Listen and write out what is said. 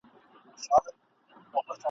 مارګن د پلرګني او مورګني ټولنيز نظام